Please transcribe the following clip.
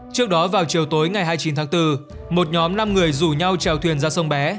trước đó vào chiều tối ngày hai mươi chín tháng bốn một nhóm năm người rủ nhau trèo thuyền ra sông bé